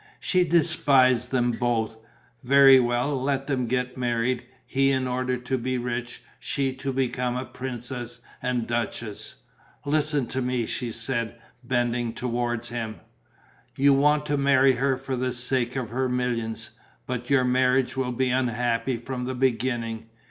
She despised them both. Very well, let them get married: he in order to be rich; she to become a princess and duchess. "Listen to me," she said, bending towards him. "You want to marry her for the sake of her millions. But your marriage will be unhappy from the beginning.